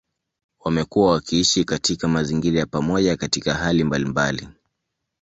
Wamekuwa wakiishi katika mazingira ya pamoja katika hali mbalimbali.